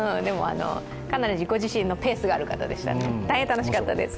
かなりご自身のペースがある方ですね、大変楽しかったです。